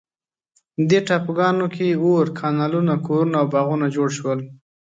دې ټاپوګانو کې اور، کانالونه، کورونه او باغونه جوړ شول.